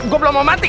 gue belum mau mati